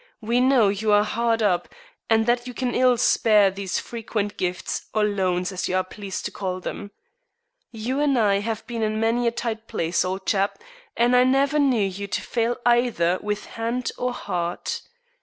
We know you are hard up, and that you can ill spare these frequent gifts, or loans, as you are pleased to call them. You and I have been in many a tight place, old chap, and I never knew you to fail either with hand or heart.